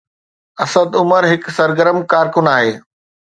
اسد عمر هڪ سرگرم ڪارڪن آهي.